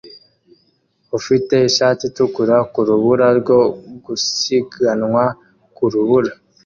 ufite ishati itukura ku rubura rwo gusiganwa ku rubura